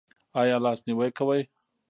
ایا لاس نیوی کوئ؟